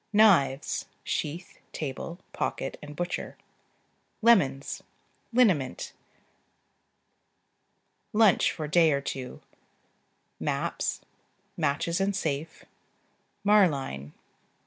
Knives (sheath, table, pocket and butcher.) Lemons. Liniment. Lunch for day or two. Maps. Matches and safe. Marline.